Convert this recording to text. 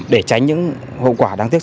để tránh những hậu quả đáng tiếc